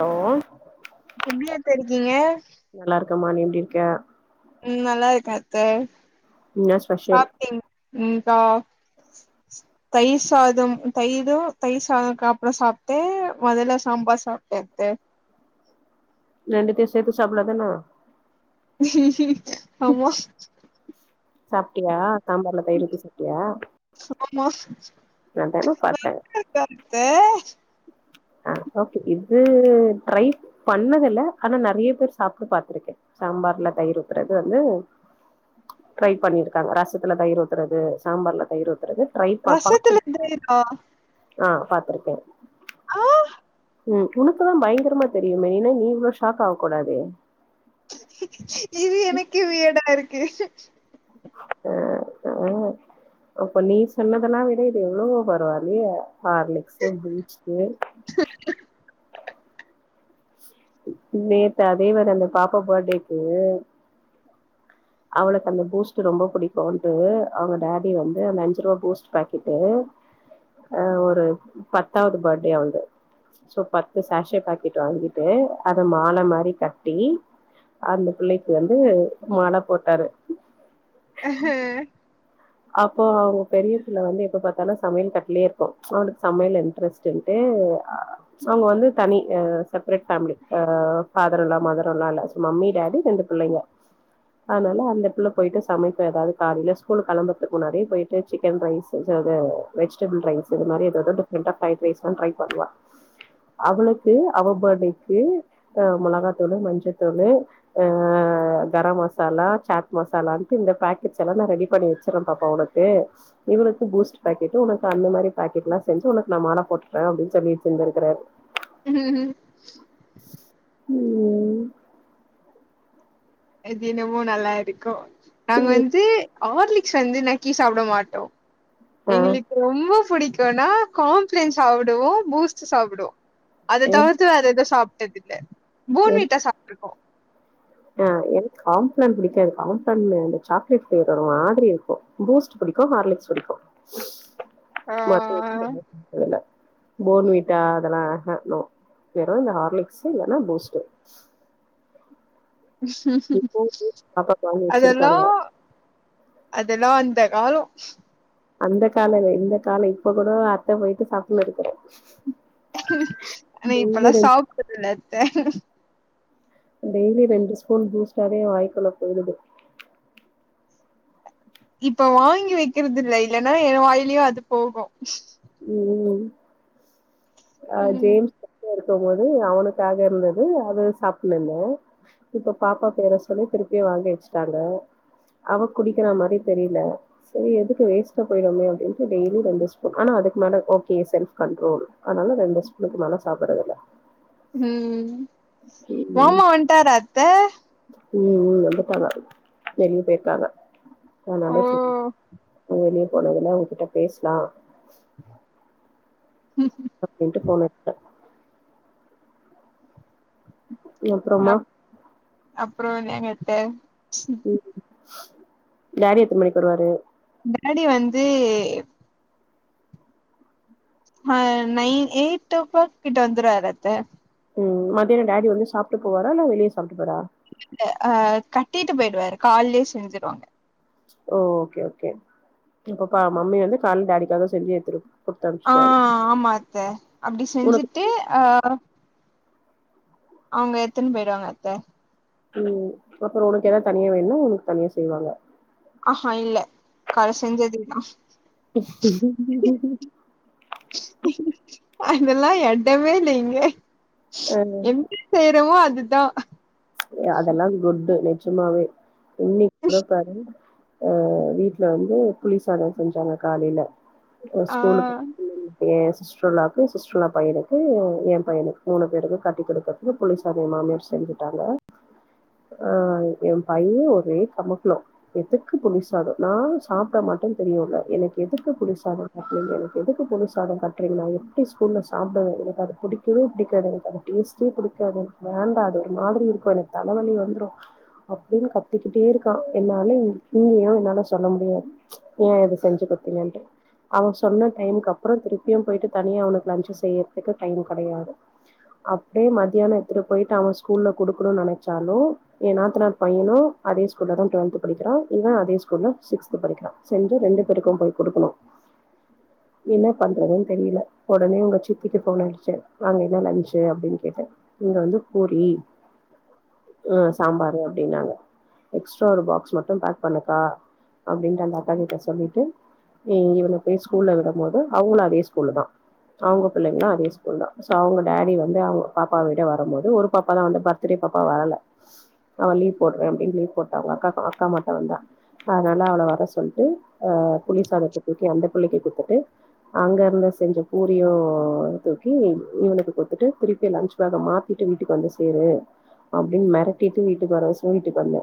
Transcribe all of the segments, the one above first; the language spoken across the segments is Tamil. ஹலோ எப்படியாத்த இருக்கீங்க கமான் நீ எப்டி இருக்க ம் நல்லா இருக்க அத்த என்ன ஸ்பெஷல் சாப்டீங் ம் கா தயிர் சாதம் தயிரு தயிர் சாதக்கப்றோ சாப்ட்ட முதல்ல சாம்பார் சாப்ட்ட அத்த ரெண்டத்தயு சேத்து சாப்பில்லதான ஆமா சாப்டியா சாம்பார்ல தயிர் ஊத்தி சாப்டியா ஆமா நந்தான பாத்த தே அ ஓகே இது ட்ரை பண்ணது இல்ல ஆனா நறைய பேர் சாப்டு பாத்துருக்கே சாம்பார்ல தயிர் ஊத்துறது வந்து ட்ரை பண்ணிருக்காங்க ரசத்துல தயிர் ஊத்துறது சாம்பார்ல தயிர் ஊத்துறது ட்ரை பா ரசத்தில்ல பாத்திரு தெ இருக்கா ஆ பாத்துருக்கே ஆ உம் உனக்குதா பயங்கரமா தெரியுமே என்ன நீ இவ்ளோ ஷாக் ஆக கூடாது இது எனக்கு வியர்டா இருக் கிர்ஷூ அ அ அப்போ நீ சொன்னதெல்லா விடே எவ்ளவோ பரவாயில்லயெ ஹார்லிக்ஸ்சு பூஸ்ட்டு நேத்த அதேவர அந்த பாப்பா பர்ட்டேக்கு அவளுக்கு அந்த பூஸ்ட் ரொம்ப பிடிக்குன்டு அவங்க டாடி வந்து அந்த அஞ்சு ரூபா பூஸ்ட் பாக்கெட்டு ஒரு பத்தாவது பட்டே ஆவல்து சோ பத்து ஷஷே பாக்கெட் தாங்கிட்ட அத மால மாதிரி கட்டி அந்த பிள்ளைக்கு வந்து மால போட்டாரு அப்போ அவங்க பெரிய பிள்ள வந்து எப்பபாத்தாலு சமையல் கட்லே இருக்கு நா வந்து சமையல்ல இன்ரெஸ்ட்டு அ அவங்க வந்து தனி அ செப்ரேட் ஃபேமிலி அ ஃபாதர்ன்லா மதர்ன்லா இல்ல மம்மி டேடி ரெண்டு பிள்ளங்க அதனால அந்த பிள்ள போயிட்டு சமைப்பதாலே காலேல ஸ்கூல் கெளம்ப முன்னாடியே போயிட்டு சிக்கன் ரைஸ் வெஜிடபிள் ரைஸ்சு நறைய டிஃபரண்டா ப்ரைட் ரைஸ் ட்ரை பண்ணலா அவளுக்கு அவ பட்டேக்கு மொளகாதூலு மஞ்சதூலு அ அ கரம் மசாலா சாட் மசாலாவுக்கு இந்த பாக்கெட் செலான் நான் ரெடி பண்ணி வெச்சி பாப்பா உனக்கு இவருக்கு பூஸ்ட் பாக்கெட் உனக்கு அந்த மாரி பாக்கெட்லா செஞ்சி உனக்கு நா மால போட்டு தற அப்டின்னு சொல்லி சென்றுக்கிறாரு உம் எ தினமோ நல்லா இருக்கு நாங்க ம் வந்து ஆர்லிக்ஸ் வந்து நக்கீ சாப்ட மாட்டோ ஆ எங்களுக்கு ரொம்ப புடிக் தோனா காம்ப்ளன் சாப்டுவோ பூஸ்டு சாப்டுவோ அது எ தவர்த்து அது ஏதோ சாப் [unintelligible] பூன்வீட்டா சாப்டுக்கோ அ எனக்கு காம்ப்ளான் பிடிக்காது காம்ப்ளான்ல இந்த சாக்லேட் பிளேவர் ஒரு மாதிரி இருக்கு பூஸ்ட் பிடிக்கும் ஹார்லிக்ஸ் பிடிக்கும் மத்த ஆ [unintelligible] தெர்ல போன்வீட்டா அதெல்லா அஹ் நோ வேறு இந்த ஹார்லிக்ஸ் இல்லன்னா பூஸ்ட் இப்போ பாப்பாக்கு வாங்கி வச்சிருக்காங்க அதெல்லாம் அதெல்லாம் வந்து அந்த காலம் அந்த காலம் இந்த கால இப்ப கூட அத்த போயிட்டு சாப்பிட இருக்கற ஆன இப்பல்லாம் சாப்பிடுதுல அத்த டெய்லி ரெண்டு ஸ்பூன் பூஸ்டாவே வாய்க்குள்ள போயிருது இப்ப வாங்கி வெக்கிறது இல்ல இல்லன்னா என் வாயிலயும் அது போகும் உம் ஆ ம் ஜேயம்ஸ் [inaudible] பது அவனுக்காக இருந்தது அத சாப்ப இப்ப பாப்பா பேர சொல்லி திருப்பிய வாங்க வச்சட்டாங்க அவ குடிக்கிற மாதிரி தெரியல சரி எதுக்கு வேஸ்டா போயிடு போயிடுமே அப்படின்னு டெய்லியும் ரண்டு்ஸ்பூன் ஆனா மேல ஓகே செல்ஃப் கண்ட்ரோல் அதனால ரெண்டு ஸ்பூனுக்கு மேல சாப்படுறது இல்ல உம் மாமா வந்டாரா அத்த உம் உம் வந்துட்டாங்க வெளியே போய் இருக்காங்க ஓ அதனால சரி அவங்க வெளிய போனதுல உங்ககிட்ட பேசலாம் அப்படின்ட்டு போன எடுத்த அப்புறமா அப்புறம் என்னங்க அத்த ம் டாடி எத்த மணிக்கு வருவாரு டாடி வந்து ஆஹ் நைன் எய்ட்டு ஓ கிளாக் கிட்ட வந்துருவாரு அத்த உ மதியானம் டாடி வந்து சாப்பிட்டு போவாரா இல்ல வெளியே சாப்புட்டுபறா ஆஹ் கட்டிட்டு போயிடுவரு காலையிலேயே செஞ்சருவாங்க ஓ ஓகே ஓகே அப்பப்ப மம்மி வந்து கால டாடிக்காக செஞ்சு எடுத்துட்டு ஆஹ் ஆமாத்த அப்படி உனக்கு செஞ்சுட்டு அஹ் அவங்க எடுதுனு போயடுாங்க அத்த உஹம் அப்புறம் உனக்கு ஏதாவது தனியா வேணும்னா உனக்கு தனியா செய்வாங்க ஆஹஹா இல்ல கால செஞ்சதேதா அதெல்லாம் எடமே இங்க அ எப்படி செய்யறமோ அது அதா அதெல்லாம் குட்டு நிஜமாவே இன்னைக்கு கொடுப்பாரு அஹ் வீட்டு்ல வந்து புலிசாதா செஞ்சாங்க காலையில ஆ ஸ்கூலுக்கு ஏ சிஸ்ட்ர்லாவுக்கு சிஸ்டர்லா பையனுக்கு எ பையனுக்கு மூணு பேருக்கு கட்டி கொடுக்கறதுக்கு புலிசாதம் எ மாமியர் செஞ்சுட்டாங்க ஆஹ் என் பையன் ஒரே கமக்கலம் எதுக்கு புளிசாதம் நா சாப்பிட மாட்டேன்னனு தெரியுல எனக்கு எதுக்கு புளிசாதம் கட்டுறீங்க எனக்கு எதுக்கு புளிசாதம் கட்டுறீங்க நா எப்படி ஸ்கூல்ல சாப்பிடுவேன் எனக்கு அது பிடிக்கவே பிடிக்காது எனக்கு அது டேஸ்டே பிடிக்காது வேண்டா அது ஒரு மாதிரி இரு கும் தலவலி வந்துரு அப்படின்னு கத்துக்கிட்டே இருக்கா என்னால இங்க இங்கயும் என்னால சொல்ல முடியாது ஏ இது செஞ்சு குடுத்தீங்க அவன் சொன்ன டைக்கு அப்புறம் திருப்பியும் போயிட்டு தனியா அவனுக்கு லஞ்ச்சு செய்யறதுக்கு டைம் கிடையாது அப்படியே மத்தியானம் எடுதுட்து போயிட்டு அவ ஸ்கூல்ல கொடு கொடுகனு நினைச்சாலும் ஏன் நாத்தநார் பையனும் அதே ஸ்கூல்ல தான் டுவெல்த் படிக்கிறான் இவன் அதே ஸ்கூல்ல சிக்ஸ்த் படிக்கிறான் செஞ்ஜா ரெண்டு பேருக்கும் போய் குடுக்கணும் என்ன பண்றதுன்னு தெரியல உடனே உங்க சித்திக்கு போன் அதுச்சேன் அங்க என்ன லஞச்சு அப்படின்னு கேட்டு இங்க வந்து பூரி அஹ சாம்பாரு அப்படின்னாங்க எக்ஸ்ட்ரா ஒரு பாக்ஸ் மட்டும் பேக் பண்ணுக்கா அப்படின்ட்டு அந்த அக்கா கிட்ட சொல்லிட்டு இவன போய் ஸ்கூல்ல விடும்போது அவங்களும் அதே ஸ்கூலலு தா அவங்க பிள்ளைங்களும் அதே ஸ்கூல் தா சோ அவங்க டேடி வந்து அவங்க பாப்பாவ விட வரும்போது ஒரு பாப்பா தா வந்து ப திருப்பப்பா வரல அவ லீவ் போடுரேன் அப்படின்னு லீவ் போட்டா அவங்க அக்கா அக்கா மட்டும் வந்தா அதனால அவள வர சொல்லிட்டு அஹ் புளி சாதத்தை தூக்கி அந்த புள்ளைக்கு குத்துட்டு அங்க இருந்து செஞ்ச பூரியும் தூக்கி இவனுக்கு குத்துட்டு திருப்பி லன்ச் பேக மாத்திட்டு வீட்டுக்கு வந்து சேரு அப்படின்னு மிரட்டிட்டு வீட்டுக்கு வரவசம் வீட்டுக்கு வந்தே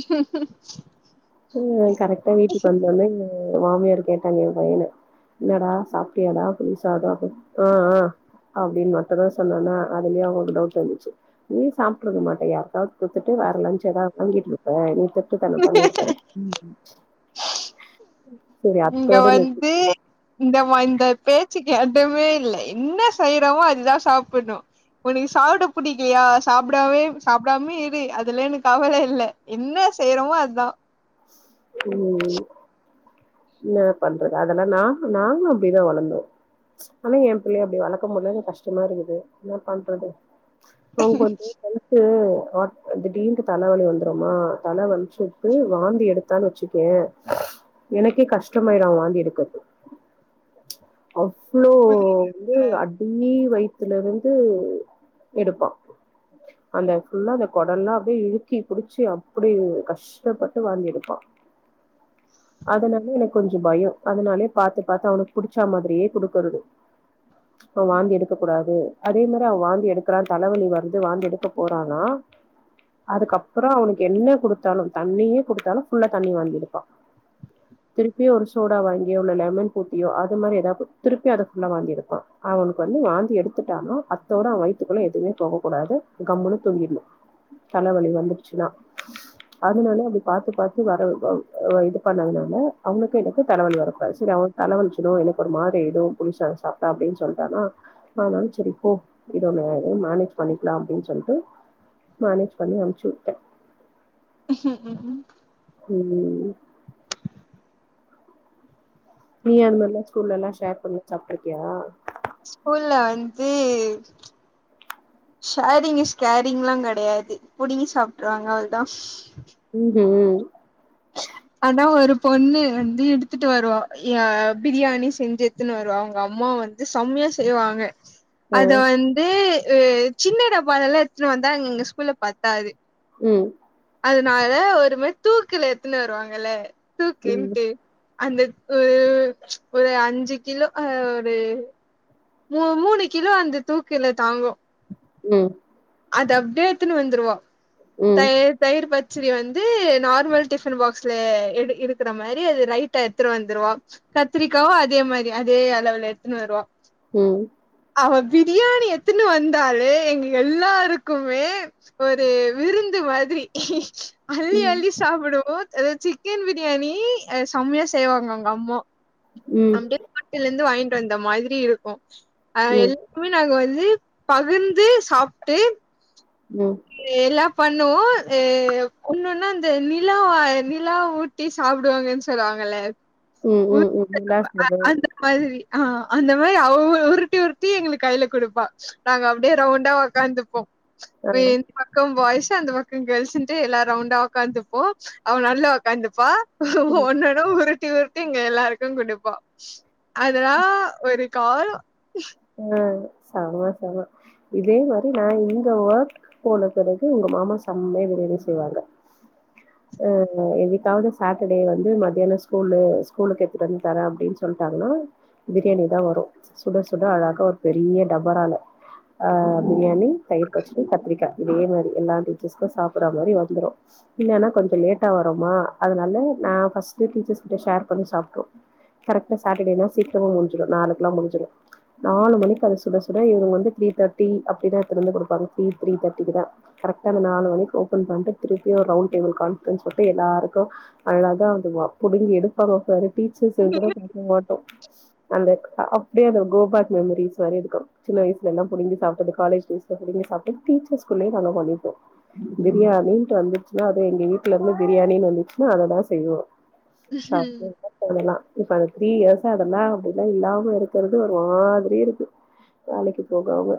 ம்ம்ம்ம்ஹ்ம்ம் ம் கரெக்டா வீட்டுக்கு வந்தொன்னே இங்க மாமியார் கேட்டாங்க என் பையன என்னடா சாப்டியாடா புளி சாதோ அப்டினு ஆ ஆ அப்டின்னு மட்டுந்தான் சொன்னானா அதுலயே அவுங்களுக்கு டவுட் வந்துச்சு நீ சாப்டுருக்க மாட்டையே யாருக்காவது குடுத்துட்டு வேற லஞ்ச் எதாவது வாங்கிட்டு இருப்ப நீ திருட்டுத்தனம் பண்ணிருப்ப சரி நீங்க அத்தோட நிறுத்தி வந்து இந்த ம இந்த பேச்சுக்கு எடமே இல்ல என்ன செய்யறோமோ அதா சாப்பிடணு உனக்கு சாப்பிட புடிக்கலையா சாப்பிடாமே சாப்பிடாமே இரு அதெல்லா எனக்கு கவல இல்ல என்ன செய்யறோமோ அதா ம் என்ன பண்றது அதெல்லா நா நாங்களு அப்டிதா வளந்தோ ப்ச் ஆனா என் பிள்ளய அப்படி வளக்க முடிலனு கஷ்டமா இருக்குது என்ன பண்றது போன் பண்ட்டு தெலசு திடீர்ன்ட்டு தலவலி வந்துரும்மா தல வலிச்சுட்டு வாந்தி எடு த்தான்னு வெச்சுக்கேன் எனக்கே கஷ்டமாயிரு அவன் வாந்தி எடுக்கறது [unintelligible] இவ்ளோ வந்து அடி வயித் துல இருந்து எடுப்பா அந்த ஃபுல்லா அந்த குடல்லா அப்டியே இறுக்கி புடிச்சி அப்டியை கஷ்டப்பட்டு வாந்தி எடுப்பா அதனால எனக்கு கொஞ்சோ பயோ அதனாலே பாத்து பாத்து அவனுக்கு புடிச் ச்சா மாதிரியே குடுக்கறது அவே வாந்தி எடுக்கக் கூடாது அதே மாரி அவே வாந்தி எடுக்குறா தலைவலி வந்து வாந்தி எடுக்க போறான்னா அதுக்கப்புறோ அவனுக்கு என்ன குடுத்தாலும் தண்ணியே குடுத்தாலும் ஃபுல்லா தண்ணி வாந்தி எடுப்பா திருப்பியு ஒரு சோடா வாங்கியோ உள்ள லெமன் ஊத்தியோ அந்த மாரி ஏதாது திருப்பி அத ஃபுல்லா வாந்தி எடுப்பா அவனுக்கு வந்து வாந்தி எடுத்துட்டாலு அத்தோட அவன் வயத்துக்குள்ள எதுவுமே போகக்கூடாது கம்முனு தூங்கிட்னு தலவலி வந்துருச்சுன்னா அதனால அப்டி பாத்து பாத்து வர இது பண்ணதுனால அவனுக்கு எனக்கு தலவலி வரக்கூடாது சரி அவ தலவலி தினோ எனக்கு ஒரு மாரி எவுது புளிசாதோ சாப்டா அப்டின்னு சொல்லிட்டானா ஆனாலும் செரி போ இது ஒன்னு மேனேஜ் பண்ணிக்கலாம் அப்டின்னு சொல்ட்டு மேனேஜ் பண்ணி அனுச்சு விட்டே உம் உம் உம் நீ அந்த மாதிரிலாம் ஸ்கூல்ல எல்லா ஷேர் பண்ணி சாப்டிருக்கியா ஸ்கூல்ல வந்து ஷேரிங் இஸ் கேரிங்லாம் கெடையாது புடுங்கி சாப்ட்டுருவாங்க அவ்ளதா உம் உம் ஆனா ஒரு பொண்ணு வந்து எடுத்துட்டு வருவா யா பிரியாணி செஞ்சு எடுதுனு வருவா அவுங்க அம்மா வந்து செம்மையா செய்வாங்க அத ம் வந்து சின்ன டாப்பாலலா எத்துனு வந்தா அங்க எங்க ஸ்கூல்ல பத்தாது உம் அதனால ஒரு மாரி தூக்குல எத்துனு வருவாங்கல்ல தூக்கு ம் இன்டு அந்த ஒ ஒரு அஞ்சு கிலோ ஹ ஒரு மு மூணு கிலோ அந்த தூக்கில தாங்கோ உம் அது [unintelligible] உம் ம், தயிர் தயிரு பத் ச்சிரி வந்து நார்மல் டிஃபன் பாக்ஸ்ல [inaudible] இருக்குற மாரி அது ரைட்டா எடுத்துரு வந்துருவா கத்திரிக்காவு அதே மாரி அதே அளவுல எடுத்துனு வருவா உம் அவ ப்ரியாணி எத்துனு வந்தாலே எங்க எல்லாருக்குமே ஒரு விருந்து மாத்ரி அள்ளி ம், அள்ளி சாப்டுபோ அதுல சிக்கன் பிரியாணி உ செம்மையா செய்வாங்க அவுங்க அம்மா ம், அப்டியே [inaudible] லெந்து வாங்கின் அந்த மாதிரி இருக்கு அஹ் ம், என்னிக்குமே நாங்க வந் து பகிர்ந்து சாப்ட்டு ம், எல்லாப் பண்ணுவோ ஆ ஒன்னொன்னா இந்த நிலா நிலா ஊட்டி சாப்பிடுவாங்கனு சொல்லுவாங்கல உம் உம் உம் நிலா சோறு ஆஹ் அந்த மாரி அவ உருட்டி உருட்டி எங்களுக்கு கைல கொடுப்பா நாங்க அப்டியே ரவுண்டா ஒக்காந்துப்போ ஆ, இப்ப என் பக்கம் பாய்ஸ் அந்த பக்க கேள்ஸுன்ட்டு எல்லா ரவுண்டா உக்காந்துப்போ அவ நடுல உக்காந்துப்பா ம், ஒன்னொன்னா உரு ட்டி உருட்டி எங்க எல்லாருக்கு குடுப்பா அதுலா ஒரு காலொ அ செம செம இதே மாரி நா இங்க ஒர்க் போன பெறகு உங்க மாமா செம்மயா பிரியாணி செய்வாங்க அஹ் என்னிக்காவது சாட்டர்டே வந்து மத்தியானொ ஸ்கூல்லு ஸ்கூலுக்கு எடுத்துட்டு வந்து தரே அப்டின்னு சொல்ட்டாங்கன்னா பிரியாணி தா வரு சுடசு ட அழகா ஒரு பெரிய டபரால ஆஹ் பிரியாணி தயிர் பச்சிடி கத்திரிக்கா இதே மாரி எல்லா டீச்சர்ஸ்கு சாப்பிட்றா மாரி வந்துரு இல்லன்னா கொஞ்சொ லேட்டா வரும்மா அதனால நா ஃபஸ்ட்டு டீச்சர்கிட்ட ஷேர் பண்ணி சாப்ட்ரோ கரெக்ட்டா சாட்டர்டேனா சீக்கிரமு முடுஞ்சுடு நாளுக்லா முடுஞ்சுடு நாலு மணிக்கு அது சுட சுட இவங்க வந்து த்ரீ தேர்டி அப்டிதா எடுத்துன்னு வந்து குடுப்பாங்க த்ரீ த்ரீ தேர்ட்டிக்கு தா கரெக்டா அந்த நாலு மணக்கு ஓபன் பண்ட்டு திருப்பியு ஒரு ரவுண்ட் டேபிள் கான்ஃபரன்ஸ் போட்டு எல்லாருக்கு அழகா அதுவ புடுங்கி எடுப்பாங்க பாரு டீச்சர்ஸ்ஸுன் கூட பாக்க மாட்டோ அந்த ஆஃப் அப்டியே அத கோபக் மெமரிஸ் வேர இருக்கு சின்ன வயசுல எல்லா புடிங்கி சாப்ட்டது காலேஜ் டேஸ்ல புடிங்கி சாப்டது டீச்சர்குள்ளயே நாங்க பண்ணிப்போ பிரியாணின்ட்டு வந்துச்சுா அதுவு எங்க வீட்லெந்து பிரியாணின்னு வந்துச்சுன்னா அததா செய்வோ சப்ரைஸா பண்ணலா இப்ப அதுக் த்ரீ இயர்ஸா அதலா அப்டிலா இல்லாம இருக்கறது ஒரு மா திரி இருக்கு வேலைக்கு போகாம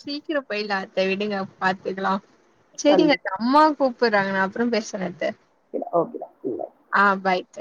சீக்கிர போயிலா அத்த விடுங்க பாத்துக்கலா சரிங்க தண்ணி அது அம்மா கூப்பிடுறாங்க நா அப்பறோ பேசுறே அத்த ஓகேடா இல்ல சரி